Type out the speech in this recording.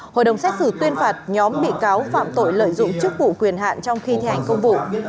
hội đồng xét xử tuyên phạt nhóm bị cáo phạm tội lợi dụng chức vụ quyền hạn trong khi thi hành công vụ